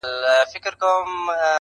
o هر څوک په خپل نامه ها کوي!